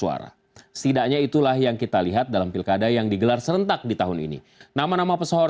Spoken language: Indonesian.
arnish kita tingki masuk negeri ber prophecy